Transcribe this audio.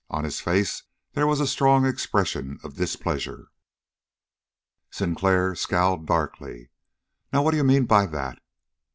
On his face there was a strong expression of displeasure. Sinclair scowled darkly. "Now what d'you mean by that?"